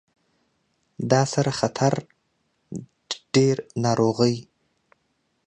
دا سره خطر ډیر ناروغۍ